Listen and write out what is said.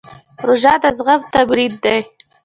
روژه د زغم تمرین دی.